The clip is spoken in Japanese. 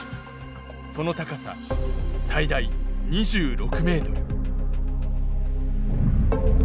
その高さ最大２６ｍ。